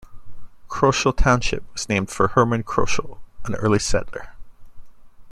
Kroschel Township was named for Herman Kroschel, an early settler.